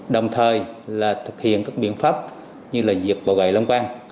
đồng thời là thực hiện các biện pháp như là diệt bầu gậy lâm quan